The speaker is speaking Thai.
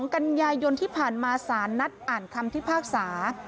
กันยายนที่ผ่านมาสารนัดอ่านคำพิพากษา